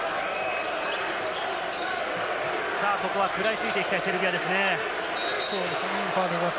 ここは食らいついていきたいセルビアですね。